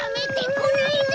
こないで！